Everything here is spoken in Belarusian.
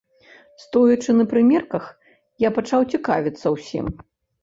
Стоячы на прымерках, я пачаў цікавіцца ўсім.